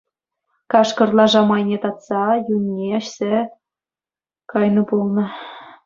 Кашкӑр лаша мӑйне татса юнне ӗҫсе кайнӑ пулнӑ.